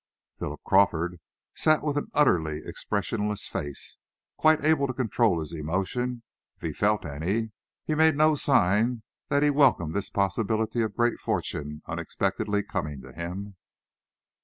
Philip Crawford sat with an utterly expressionless face. Quite able to control his emotion, if he felt any, he made no sign that he welcomed this possibility of a great fortune unexpectedly coming to him.